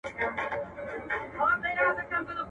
شاعرانو به کټ مټ را نقلوله.